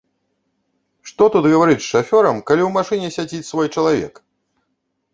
Што тут гаварыць з шафёрам, калі ў машыне сядзіць свой чалавек!